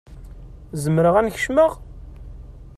Zemreɣ ad n-kecmeɣ?